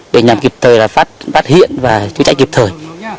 để nhằm kịp thời phát hiện và chữa cháy kịp thời